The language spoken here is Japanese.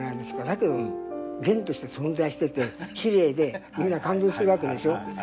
だけどげんとして存在しててきれいでみんな感動する訳でしょ。